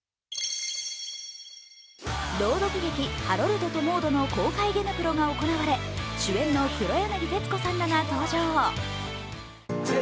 朗読劇「ハロルドとモード」の公開ゲネプロが行われ主演の黒柳徹子さんらが登場。